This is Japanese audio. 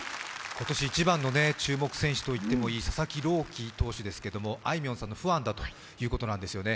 今年一番の注目選手と言ってもいい佐々木朗希投手ですけれども、あいみょんさんのファンだということなんですよね。